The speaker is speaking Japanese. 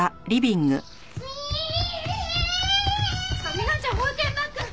みのんちゃん保育園バッグ！